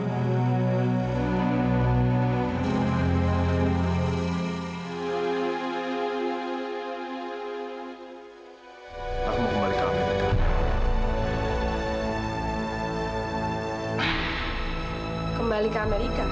aku mau kembali ke amerika